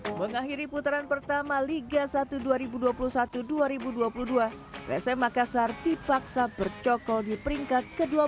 hai mengakhiri putaran pertama liga satu dua ribu dua puluh satu dua ribu dua puluh dua psm makassar dipaksa bercokol di peringkat ke dua belas